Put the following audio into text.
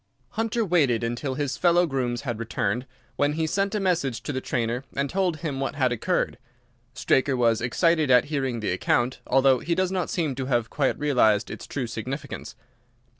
"Hunter waited until his fellow grooms had returned, when he sent a message to the trainer and told him what had occurred. Straker was excited at hearing the account, although he does not seem to have quite realized its true significance.